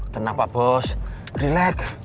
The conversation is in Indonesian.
tenang pak bos relax